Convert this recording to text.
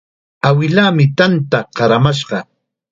Awilaami tanta qaramashqa.